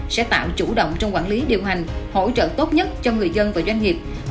sẽ tạo chủ động trong quản lý điều hành hỗ trợ tốt nhất cho người dân và doanh nghiệp